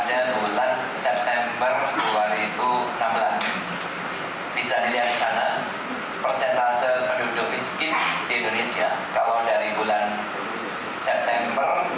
yang paling kanan adalah menunjukkan persentase penduduk miskin di indonesia pada bulan september dua ribu enam belas